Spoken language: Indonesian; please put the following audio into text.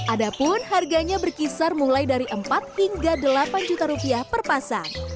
adapun harganya berkisar mulai dari empat hingga delapan juta rupiah per pasang